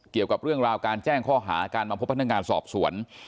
เกี่ยวกับเรื่องราวการแจ้งข้อหาการมาพบพนักงานสอบสวน